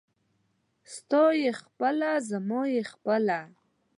ستا يې خپله ، زما يې خپله.